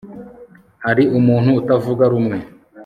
hari umuntu utavuga rumwe